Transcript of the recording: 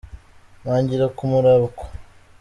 Ntangira kumurabukwa